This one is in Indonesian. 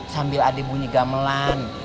sambil ada bunyi gamelan